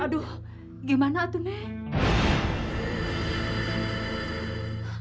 aduh gimana itu neng